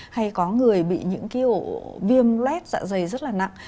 hay có người bị những viêm lét dạ dày rất là nặng